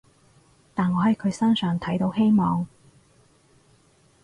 但我喺佢身上睇到希望